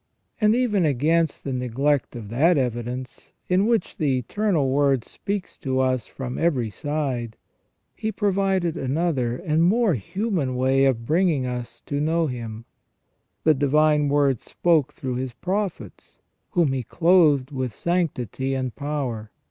And even against the neglect of that evidence, in which the Eternal Word speaks to us from every side, He pro vided another and a more human way of bringing us to know Him. The Divine Word spoke through His prophets, whom He clothed with sanctity and power.